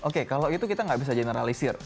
oke kalau itu kita nggak bisa generalisir